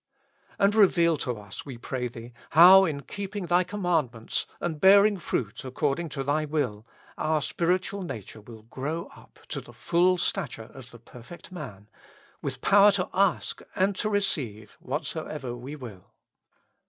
And reveal to us, we pray Thee, how, in keeping Thy commandments and bearing fruit ac cording to Thy will, our spiritual nature will grow up to the full stature of the perfect man, with power to ask and to receive whatsoever we will.